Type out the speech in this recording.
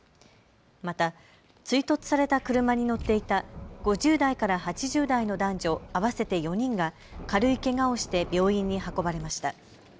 また追突された車に乗っていた５０代から８０代の男女合わせて４人が軽いけがをして病院に運ばれました。